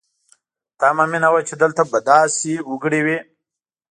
تمه مې نه وه چې دلته به داسې وګړي وي.